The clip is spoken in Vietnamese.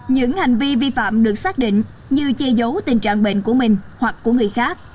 những hành vi vi phạm được xác định như che giấu tình trạng bệnh của mình hoặc của người khác